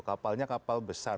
kapalnya kapal besar